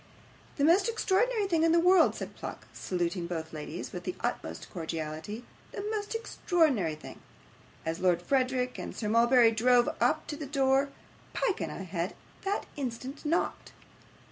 'The most extraordinary thing in the world,' said Mr. Pluck, saluting both ladies with the utmost cordiality; 'the most extraordinary thing. As Lord Frederick and Sir Mulberry drove up to the door, Pyke and I had that instant knocked.